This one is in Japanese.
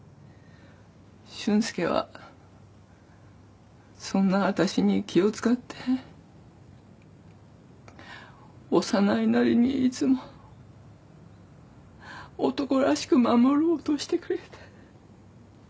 俊介はそんな私に気を使って幼いなりにいつも男らしく守ろうとしてくれて。